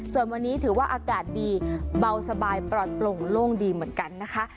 ส่วนวันนี้ถือว่าอากาศดีเบาสบายปลอดโปร่งโล่งดีเหมือนกันนะคะ